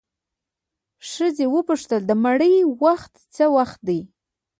ښځه وپوښتله د مړي وخت څه وخت دی؟